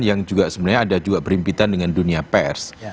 yang juga sebenarnya ada juga berimpitan dengan dunia pers